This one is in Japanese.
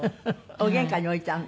お玄関に置いてあるの？